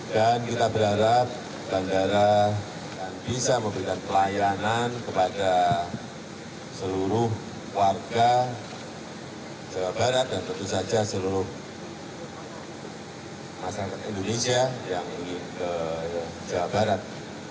dan kita berharap bandara bisa memberikan pelayanan kepada seluruh warga jawa barat dan tentu saja seluruh masyarakat indonesia yang ingin ke jawa barat